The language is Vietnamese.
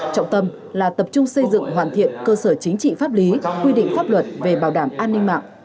trọng tâm là tập trung xây dựng hoàn thiện cơ sở chính trị pháp lý quy định pháp luật về bảo đảm an ninh mạng